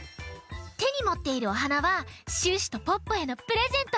てにもっているおはなはシュッシュとポッポへのプレゼント。